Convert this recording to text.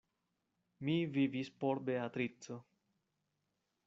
Mi vivis por Beatrico.